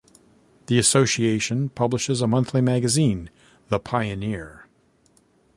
The association publishes a monthly magazine, "The Pioneer".